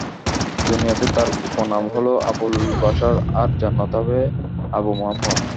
দুনিয়াতে তাঁর উপনাম হলো আবুল বাশার আর জান্নাতে হবে আবু মুহাম্মদ।